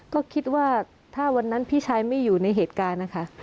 ก็คิดว่าถ้าวันนั้นพี่ชายไม่อยู่ในเหตุการณ์นะคะ